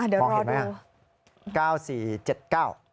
เดี๋ยวรอดูมองเห็นไหมครับ๙๔๗๙